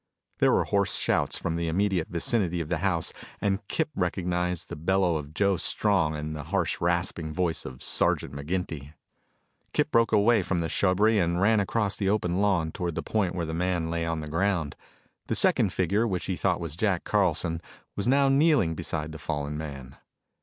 There were hoarse shouts from the immediate vicinity of the house, and Kip recognized the bellow of Joe Strong and the harsh rasping voice of Sergeant McGinty. Kip broke away from the shrubbery and ran across the open lawn toward that point where the man lay on the ground. The second figure, which he thought was Jack Carlson, was now kneeling beside the fallen man.